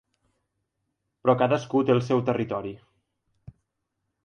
Però cadascú té el seu territori.